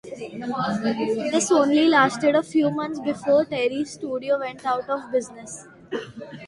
This only lasted a few months before Terry's studio went out of business.